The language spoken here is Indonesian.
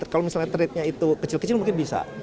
kalau misalnya tradenya itu kecil kecil mungkin bisa